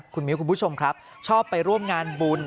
คุณมิ้วคุณผู้ชมครับชอบไปร่วมงานบุญ